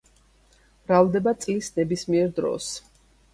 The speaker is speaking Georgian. მრავლდება წლის ნებისმიერ დროს.